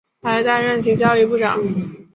还担任其教育部长。